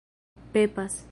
pepas